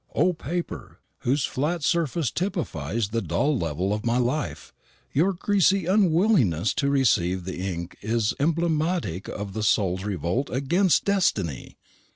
O paper, whose flat surface typifies the dull level of my life, your greasy unwillingness to receive the ink is emblematic of the soul's revolt against destiny!